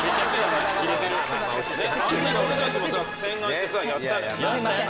話あんなに俺たちもさ洗顔してさやったのにすいません